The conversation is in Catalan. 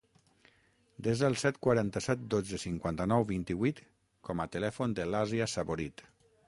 Desa el set, quaranta-set, dotze, cinquanta-nou, vint-i-vuit com a telèfon de l'Àsia Saborit.